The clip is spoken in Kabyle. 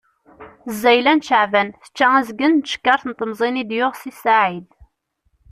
Zzayla n Ceɛban, tečča azgen n tcekkaṛt n temẓin i d-yuɣ Si Saɛid.